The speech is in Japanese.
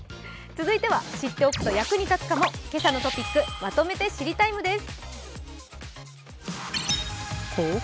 知っておくと役に立つかも「けさのトピックまとめて知りＴＩＭＥ，」です。